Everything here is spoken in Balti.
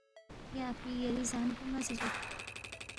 یا اپی یری زان پو ن٘ا سی زوس